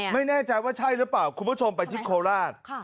ไม่แน่ใจว่าใช่หรือเปล่าคุณผู้ชมไปที่โคราช